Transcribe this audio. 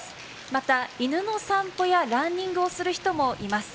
また、犬の散歩やランニングをする人もいます。